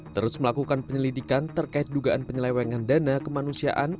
terus melakukan penyelidikan terkait dugaan penyelewengan dana kemanusiaan